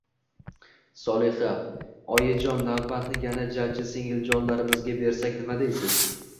Solixa: oyijon navbatni yana jajji singiljonlarimizga bersak nima deysiz?